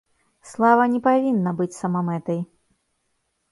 Слава не павінна быць самамэтай.